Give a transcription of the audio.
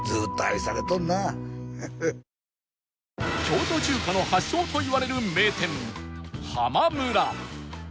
京都中華の発祥といわれる名店ハマムラ